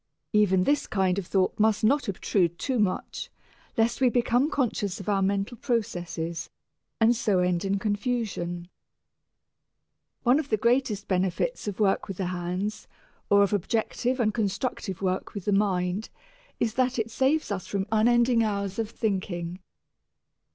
Even this kind of thought must not obtrude too much, lest we become conscious of our mental processes and so end in confusion. One of the greatest benefits of work with the hands, or of objective and constructive work with the mind, is that it saves us from unending hours of thinking.